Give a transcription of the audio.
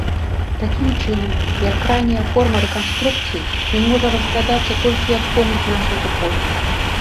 Такім чынам, як крайняя форма рэканструкцыі ён можа разглядацца толькі як помнік нашай эпохі.